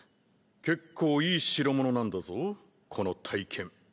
結構いい代物なんだぞこの大剣。